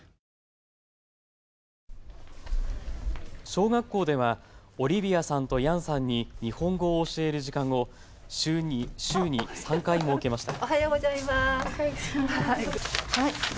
小学校ではオリビアさんとヤンさんに日本語を教える時間を週に３回、設けました。